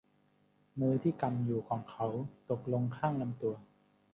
มือที่กำอยู่ของเขาตกลงข้างลำตัว